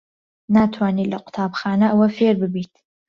ناتوانیت لە قوتابخانە ئەوە فێر ببیت.